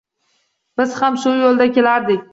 Biz ham shu yoʻldan kelardik.